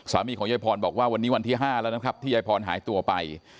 ของยายพรบอกว่าวันนี้วันที่๕แล้วนะครับที่ยายพรหายตัวไป